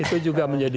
itu juga menjadi